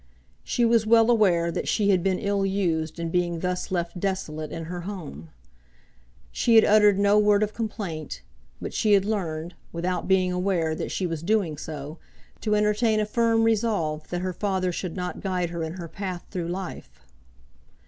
She was well aware that she had been ill used in being thus left desolate in her home. She had uttered no word of complaint; but she had learned, without being aware that she was doing so, to entertain a firm resolve that her father should not guide her in her path through life.